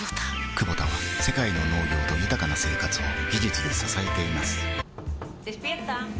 クボタは世界の農業と豊かな生活を技術で支えています起きて。